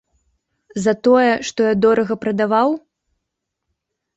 За тое, што я дорага прадаваў?